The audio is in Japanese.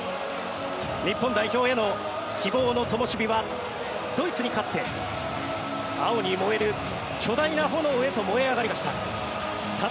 日本代表への希望のともしびはドイツに勝って青に燃える巨大な炎へと燃え上がりました。